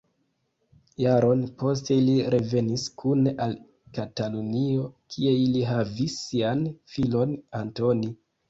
Jaron poste ili revenis kune al Katalunio, kie ili havis sian filon Antoni.